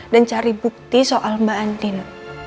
dan cari bukti soal mbak antin